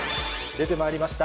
出てまいりました。